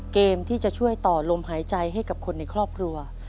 เกมที่จะช่วยต่อลมหายใจให้กับคนในครอบครัว